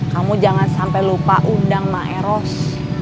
kamu jangan sampai lupa undang maeros